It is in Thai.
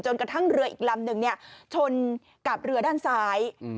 กระทั่งเรืออีกลำนึงเนี่ยชนกับเรือด้านซ้าย